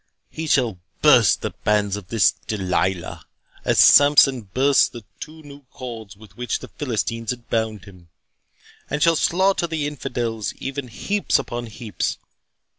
He shall burst the bands of this Delilah, as Sampson burst the two new cords with which the Philistines had bound him, and shall slaughter the infidels, even heaps upon heaps.